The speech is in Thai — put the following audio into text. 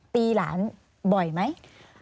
ตีหลานบ่อยไหม